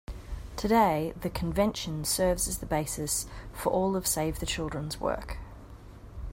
Today, the Convention serves as the basis for all of Save the Children's work.